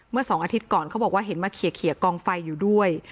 ๒อาทิตย์ก่อนเขาบอกว่าเห็นมาเขียกองไฟอยู่ด้วย